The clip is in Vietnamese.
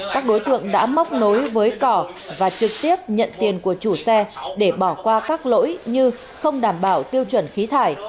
các đối tượng đã móc nối với cỏ và trực tiếp nhận tiền của chủ xe để bỏ qua các lỗi như không đảm bảo tiêu chuẩn khí thải